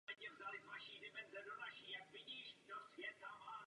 Spolu s nimi se časem vyvíjely.